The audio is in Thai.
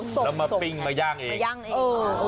แล้วมาปิ้งมาย่างเองค่ะโอ้โหโอ้โหโอ้โหโอ้โห